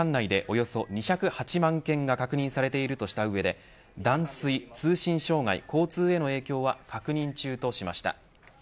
管内でおよそ２０８万軒が確認されているとした上で断水、通信障害、交通への影響は確認中としました。